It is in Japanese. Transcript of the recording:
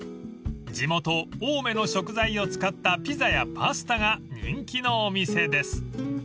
［地元青梅の食材を使ったピザやパスタが人気のお店です］